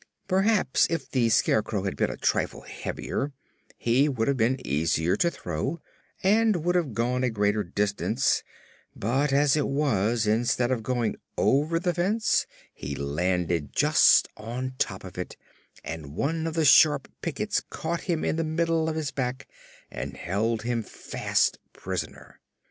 Perhaps if the Scarecrow had been a trifle heavier he would have been easier to throw and would have gone a greater distance; but, as it was, instead of going over the fence he landed just on top of it, and one of the sharp pickets caught him in the middle of his back and held him fast prisoner.